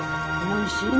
おいしい。